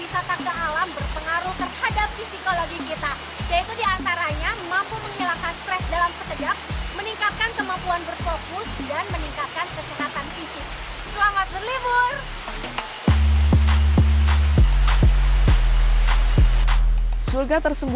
surga tersebut juga ber accordingly